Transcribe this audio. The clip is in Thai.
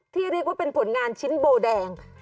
เรียกว่าเป็นผลงานชิ้นโบแดง